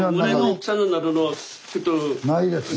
ないですね。